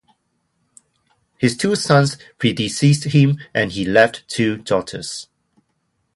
His two sons predeceased him and he left two daughters.